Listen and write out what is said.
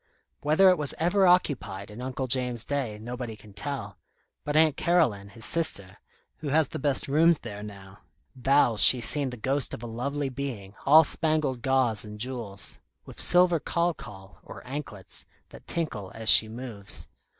Whether it was ever occupied in Uncle James's day, nobody can tell; but Aunt Caroline, his sister, who has the best rooms there now, vows she's seen the ghost of a lovely being, all spangled gauze and jewels, with silver khal khal, or anklets, that tinkle as she moves.